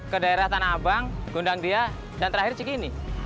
ke daerah tanah abang gundang dia dan terakhir cikini